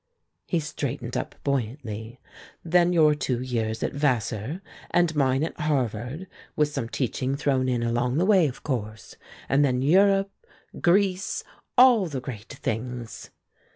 He straightened up buoyantly. "Then your two years at Vassar and mine at Harvard, with some teaching thrown in along the way, of course. And then Europe Greece all the great things!"